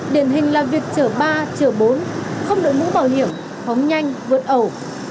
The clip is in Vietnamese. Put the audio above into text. điện hình là việc chở ba chở bốn không đợi mũ bảo hiểm hóng nhanh vượt ẩu